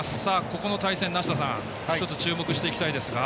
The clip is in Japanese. ここの対戦、梨田さん１つ、注目していきたいですが。